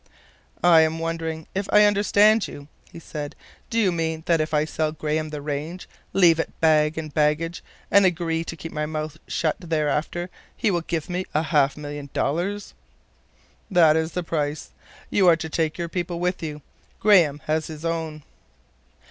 "I am wondering if I understand you," he said. "Do you mean that if I sell Graham the range, leave it bag and baggage, and agree to keep my mouth shut thereafter, he will give me half a million dollars?" "That is the price. You are to take your people with you. Graham has his own."